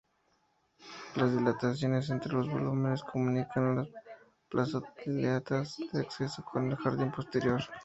Las dilataciones entre los volúmenes comunican las plazoletas de acceso con el jardín posterior.